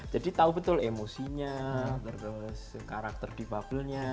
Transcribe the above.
jadi tahu betul emosinya terus karakter divabelnya